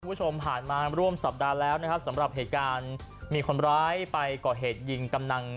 คุณผู้ชมผ่านมาร่วมสัปดาห์แล้วนะครับสำหรับเหตุการณ์มีคนร้ายไปก่อเหตุยิงกำลัง